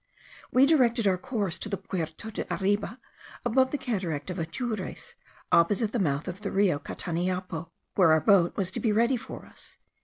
We directed our course to the Puerto de arriba, above the cataract of Atures, opposite the mouth of the Rio Cataniapo, where our boat was to be ready for us.